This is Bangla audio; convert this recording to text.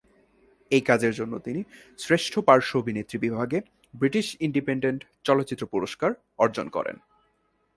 এই কাজের জন্য তিনি শ্রেষ্ঠ পার্শ্ব অভিনেত্রী বিভাগে ব্রিটিশ ইন্ডিপেন্ডেন্ট চলচ্চিত্র পুরস্কার অর্জন করেন।